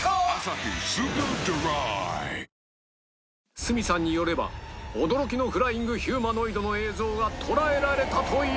角さんによれば驚きのフライングヒューマノイドの映像が捉えられたという